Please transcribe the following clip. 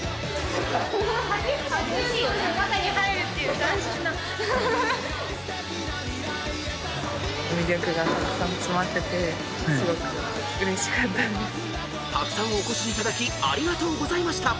［たくさんお越しいただきありがとうございました！］